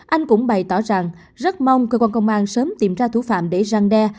anh cũng bày tỏ rằng rất mong cơ quan công an sớm tìm ra thủ phạm để răng đe